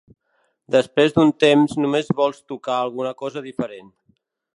Després d'un temps només vols tocar alguna cosa diferent.